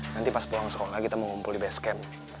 nanti pas pulang sekolah kita mengumpul di base camp